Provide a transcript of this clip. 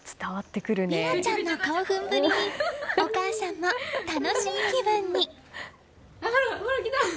心楽ちゃんの興奮ぶりにお母さんも楽しい気分に。